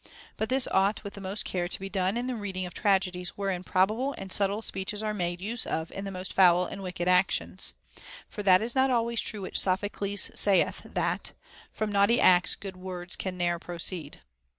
But this ousht with the most care to be done in the reading of tragedies wherein probable and subtle speeches are made use of in the most foul and wicked actions. For that is not always true which Sophocles saith, that From naughty acts good words can ne'er proceed.